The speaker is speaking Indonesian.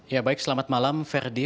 ya baik selamat malam ferdi